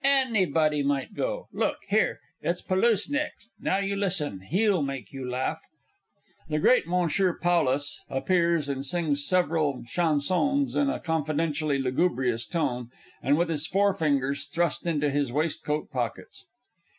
_Any_body might go! Look here it's Pôlusse next; now you listen he'll make you laugh! [The great M. PAULUS _appears and sings several Chansons in a confidentially lugubrious tone, and with his forefingers thrust into his waistcoat pockets.